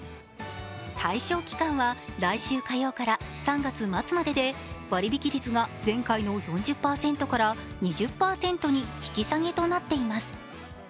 対象期間は来週火曜から３月末までで割引率が前回の４０％から２０％に引き下げとなっています。